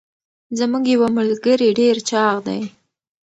زمونږ یوه ملګري ډير چاغ دي.